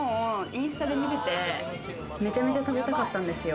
インスタで見てて、めちゃめちゃ食べたかったんですよ。